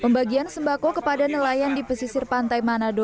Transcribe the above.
pembagian sembako kepada nelayan di pesisir pantai manado